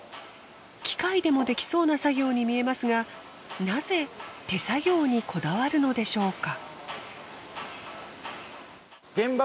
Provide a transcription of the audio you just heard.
機械でもできそうな作業に見えますがなぜ手作業にこだわるのでしょうか？